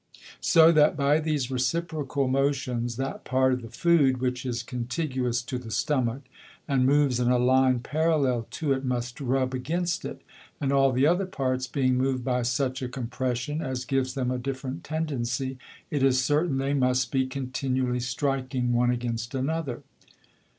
So that by these reciprocal Motions, that part of the Food which is contiguous to the Stomach, and moves in a Line parallel to it, must rub against it; and all the other Parts being moved by such a Compression, as gives them a different Tendency, it is certain they must be continually striking one against another.